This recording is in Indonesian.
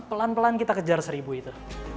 pelan pelan kita kejar seribu itu